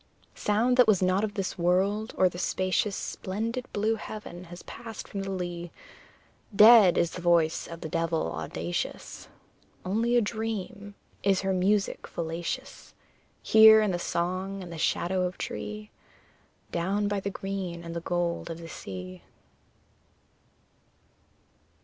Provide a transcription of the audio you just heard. Sound that was not of this world, or the spacious Splendid blue heaven, has passed from the lea; Dead is the voice of the devil audacious: Only a dream is her music fallacious, Here, in the song and the shadow of tree, Down by the green and the gold of the sea.